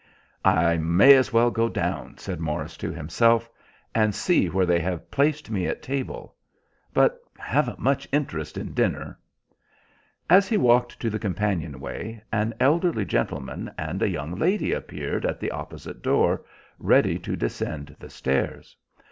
"I may as well go down," said Morris to himself, "and see where they have placed me at table. But I haven't much interest in dinner." As he walked to the companion way an elderly gentleman and a young lady appeared at the opposite door, ready to descend the stairs.